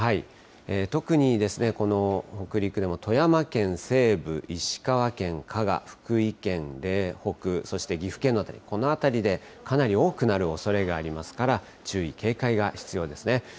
特に、この北陸でも富山県西部、石川県加賀、福井県れいほく、そして岐阜県など、この辺りでかなり多くなるおそれがありますから、注意、警戒が必要ですね。